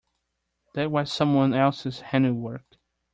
That was someone else's handy work.